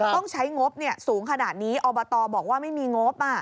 ต้องใช้งบสูงขนาดนี้อบตบอกว่าไม่มีงบ